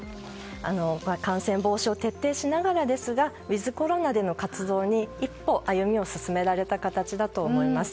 感染防止を徹底しながらですがウィズコロナでの活動に一歩、歩みを進められた形だと思います。